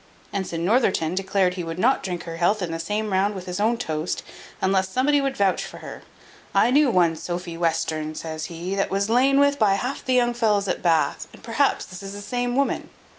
Ensign Northerton declared he would not drink her health in the same round with his own toast, unless somebody would vouch for her. "I knew one Sophy Western," says he, "that was lain with by half the young fellows at Bath; and perhaps this is the same woman."